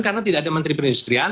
karena tidak ada menteri perindustrian